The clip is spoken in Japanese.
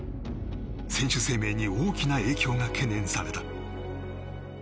選手生命に大きな影響が懸念された。